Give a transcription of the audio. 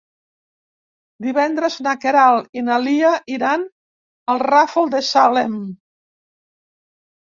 Divendres na Queralt i na Lia iran al Ràfol de Salem.